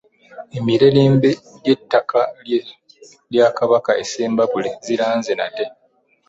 Emirerembe z'ettaka lya Kabaka e Ssembuule ziranze nate.